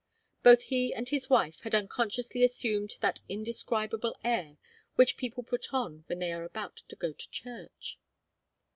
Both he and his wife had unconsciously assumed that indescribable air which people put on when they are about to go to church.